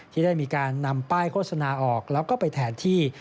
ที่ได้มีการนำป้ายโฆษณาออกแล้วก็ไปแทนที่